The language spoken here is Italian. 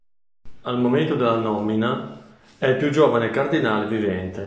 Al momento della nomina è il più giovane cardinale vivente.